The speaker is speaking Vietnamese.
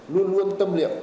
luôn luôn tâm liệu